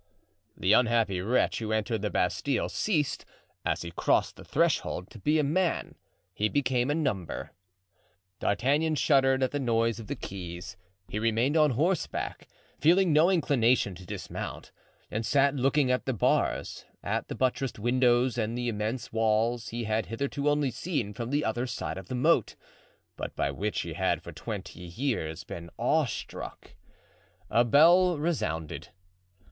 The unhappy wretch who entered the Bastile ceased, as he crossed the threshold, to be a man—he became a number. D'Artagnan shuddered at the noise of the keys; he remained on horseback, feeling no inclination to dismount, and sat looking at the bars, at the buttressed windows and the immense walls he had hitherto only seen from the other side of the moat, but by which he had for twenty years been awe struck. A bell resounded.